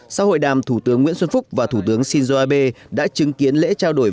sau hội đàm thủ tướng nguyễn xuân phúc và thủ tướng shinzo abe đã chứng kiến lễ trao đổi